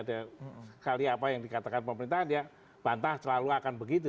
ada sekali apa yang dikatakan pemerintahan dia bantah selalu akan begitu